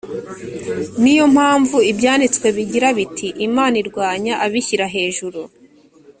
ni yo mpamvu ibyanditswe bigira biti imana irwanya abishyira hejuru